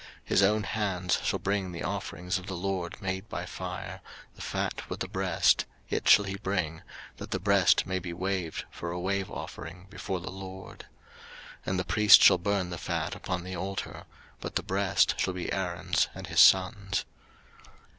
03:007:030 His own hands shall bring the offerings of the LORD made by fire, the fat with the breast, it shall he bring, that the breast may be waved for a wave offering before the LORD. 03:007:031 And the priest shall burn the fat upon the altar: but the breast shall be Aaron's and his sons'.